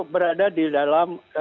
berada di dalam